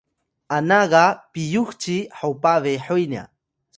ana ga piyux ci hopa behuy nya